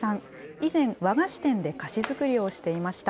以前、和菓子店で菓子作りをしていました。